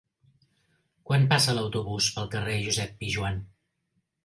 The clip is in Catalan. Quan passa l'autobús pel carrer Josep Pijoan?